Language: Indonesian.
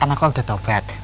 karena kau udah tobat